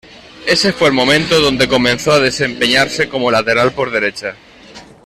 Ese fue el momento donde comenzó a desempeñarse como lateral por derecha.